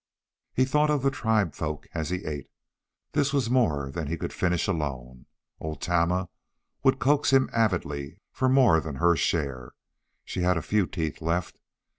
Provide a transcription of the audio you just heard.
He thought of the tribesfolk as he ate. This was more than he could finish alone. Old Tama would coax him avidly for more than her share. She had a few teeth left.